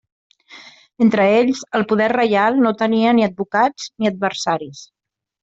Entre ells el poder reial no tenia ni advocats ni adversaris.